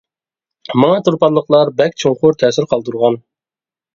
ماڭا تۇرپانلىقلار بەك چوڭقۇر تەسىر قالدۇرغان.